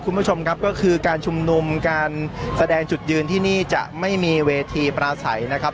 คุณผู้ชมครับก็คือการชุมนุมการแสดงจุดยืนที่นี่จะไม่มีเวทีปราศัยนะครับ